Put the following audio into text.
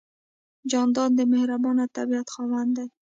جانداد د مهربان طبیعت خاوند دی.